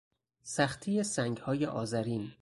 سختی سنگهای آذرین